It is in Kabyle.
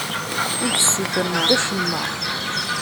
Ur d-tessutremt acemma.